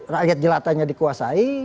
rakyat jelatanya dikuasai